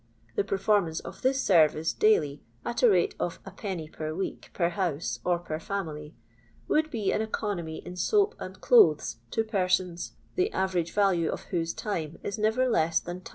The performance of this senrice daily, at a rate of Id. per week per house or per fiunily, would be an economy in soap and clothes to persons the average value of whose time is never less than 2d.